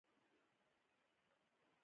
د ترکیې تر سوېل ختیځ پورې رانغاړي.